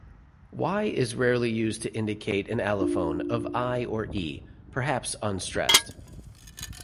"Y" is used rarely to indicate an allophone of "i" or "e", perhaps unstressed.